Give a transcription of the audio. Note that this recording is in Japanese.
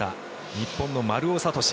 日本の丸尾知司。